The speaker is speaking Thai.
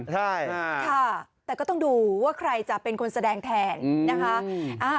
ใช่ค่ะแต่ก็ต้องดูว่าใครจะเป็นคนแสดงแทนนะคะ